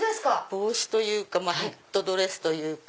帽子というかヘッドドレスというか。